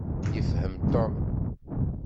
Yefhem Tom.